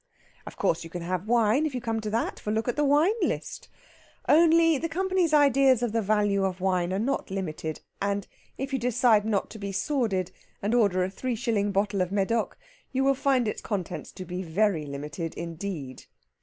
Of course, you can have wine, if you come to that, for look at the wine list! Only the company's ideas of the value of wine are not limited, and if you decide not to be sordid, and order a three shilling bottle of Médoc, you will find its contents to be very limited indeed.